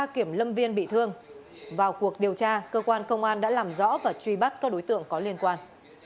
kiểm lâm viên bị thương vào cuộc điều tra cơ quan công an đã làm rõ và truy bắt các đối tượng có liên quan